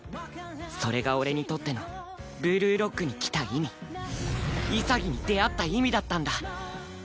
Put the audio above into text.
それが俺にとってのブルーロックに来た意味潔に出会った意味だったんだ。